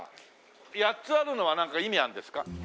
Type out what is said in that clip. ８つあるのはなんか意味があるんですか？